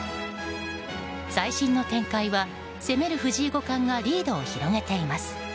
最新の展開は、攻める藤井五冠がリードを広げています。